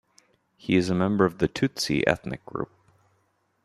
He is a member of the Tutsi ethnic group.